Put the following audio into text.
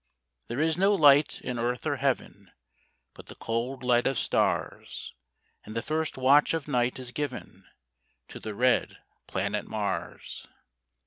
There is no light in earth or heaven, But the cold light of stars; And the first watch of night is given To the red planet Mars.